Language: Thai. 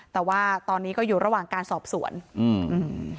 แต่ว่าตอนนี้ก็อยู่ระหว่างการสอบสวนอืมอืม